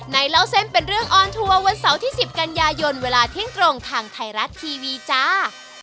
เล่าเส้นเป็นเรื่องออนทัวร์วันเสาร์ที่๑๐กันยายนเวลาเที่ยงตรงทางไทยรัฐทีวีจ้า